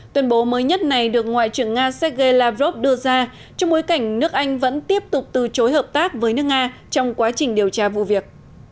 tuyên bố mới nhất này được ngoại trưởng nga sergei lavrov đưa ra trong bối cảnh nước anh vẫn tiếp tục từ chối hợp tác với nước nga trong quá trình điều tra vụ việc